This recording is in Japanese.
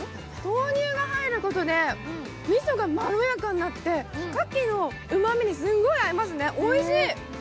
豆乳が入ることで、みそがまろやかになって、かきのうまみにすんごい合いますね、おいしい。